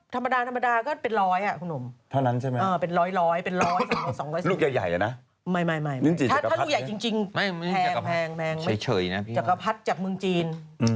ธรรมดาลินจิตน่าจะโรงประมาณเท่าไหร่